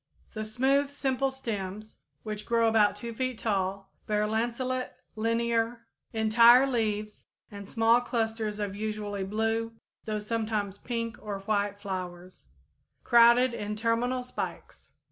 _ The smooth, simple stems, which grow about 2 feet tall, bear lanceolate linear, entire leaves and small clusters of usually blue, though sometimes pink or white flowers, crowded in terminal spikes.